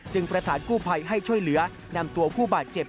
ประสานกู้ภัยให้ช่วยเหลือนำตัวผู้บาดเจ็บ